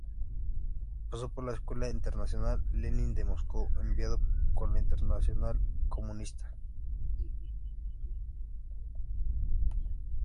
Pasó por la Escuela Internacional Lenin de Moscú, enviado por la Internacional Comunista.